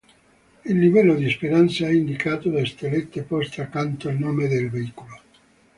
Il livello di esperienza è indicato da stellette poste accanto al nome del veicolo.